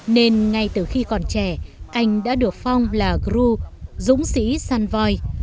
nên ngay từ khi còn trẻ anh đã được phong là gru dũng sĩ san voi